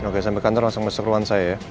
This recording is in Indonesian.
oke sampai kantor langsung besok keluar saya ya